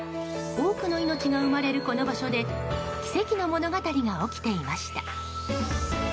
多くの命が生まれる、この場所で奇跡の物語が起きていました。